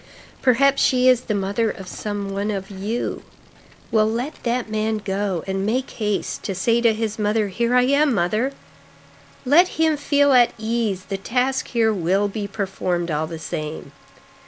Perhaps she is the mother of some one of you. Well, let that man go, and make haste, to say to his mother: 'Here I am, mother!' Let him feel at ease, the task here will be performed all the same.